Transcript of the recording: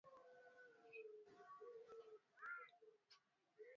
aa kura ya maoni ipige hawakuta a